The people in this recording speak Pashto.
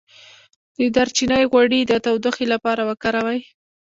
د دارچینی غوړي د تودوخې لپاره وکاروئ